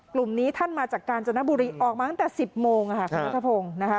กลุ่มนี้ท่านมาจากกาญจนบุรีออกมาตั้งแต่๑๐โมงค่ะครับครับผม